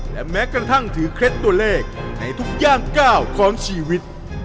และแม้กระทั่งถือเคล็ดตัวเลขในทุกย่างก้าวของชีวิต